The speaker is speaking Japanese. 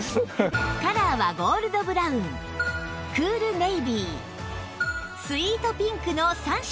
カラーはゴールドブラウンクールネイビースイートピンクの３色